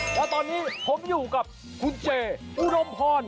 แล้วตอนนี้ผมอยู่กับคุณเจออุดมพร